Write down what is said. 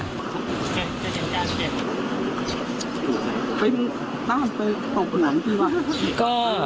ขอบคุณค่ะ